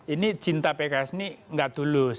ini cinta pks ini gak tulus